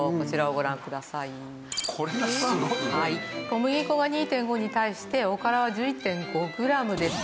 小麦粉が２．５に対しておからは１１．５グラムです。